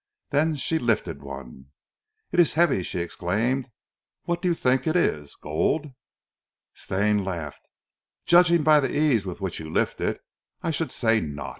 Then she lifted one. "It is heavy," she exclaimed. "What do you think it is gold?" Stane laughed. "Judging by the ease with which you lift it, I should say not."